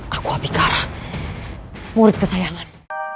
aku abikara murid kesayangan